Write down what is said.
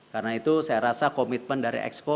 karena itu saya rasa komitmen dari expo